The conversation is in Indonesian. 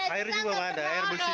air juga nggak ada air bersih